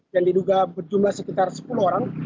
yang diduga berjumlah sekitar sepuluh orang